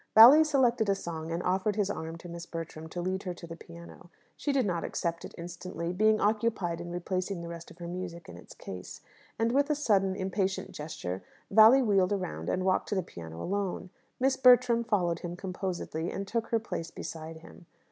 Valli selected a song and offered his arm to Miss Bertram to lead her to the piano. She did not accept it instantly, being occupied in replacing the rest of her music in its case; and with a sudden, impatient gesture, Valli wheeled round and walked to the piano alone. Miss Bertram followed him composedly, and took her place beside him.